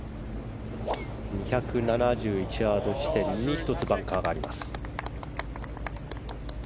２７１ヤード地点に１つバンカーがあります。